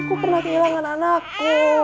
aku pernah kehilangan anakku